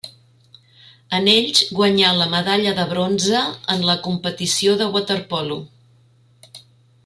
En ells guanyà la medalla de bronze en la competició de waterpolo.